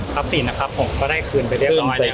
สินนะครับผมก็ได้คืนไปเรียบร้อยแล้ว